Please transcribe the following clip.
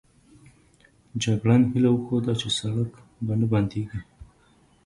جګړن هیله وښوده چې سړک به نه بندېږي.